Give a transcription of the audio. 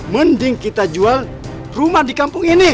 mending kita jual rumah di kampung ini